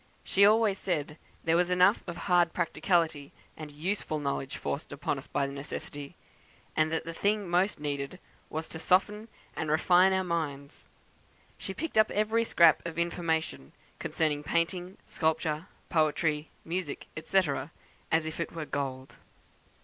She always said there was enough of hard practicality and useful knowledge forced on us by necessity, and that the thing most needed was to soften and refine our minds. She picked up every scrap of information concerning painting, sculpture, poetry, music, &c., as if it were gold."